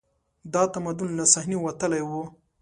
دا تمدن له صحنې وتلی و